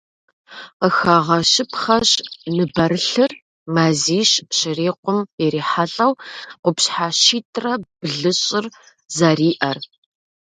Къыхэгъэщыпхъэщ ныбэрылъыр мазищ щрикъум ирихьэлӏэу къупщхьэ щитӏрэ блыщӏыр зэриӏэр.